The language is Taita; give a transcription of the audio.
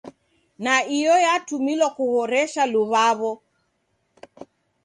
Na iyo yatumilwa kuhoresha luw'aw'o.